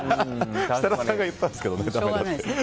設楽さんが言ったんですけどね。